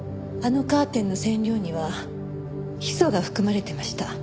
あのカーテンの染料にはヒ素が含まれてました。